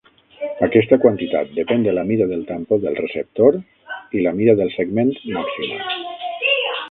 Aquesta quantitat depèn de la mida del tampó del receptor i la mida del segment màxima.